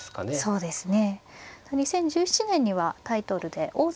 そうですね。